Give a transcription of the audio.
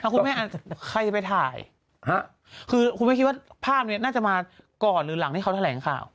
คุณแม่อาจจะใครจะไปถ่ายคือคุณแม่คิดว่าภาพนี้น่าจะมาก่อนหรือหลังที่เขาแถลงข่าว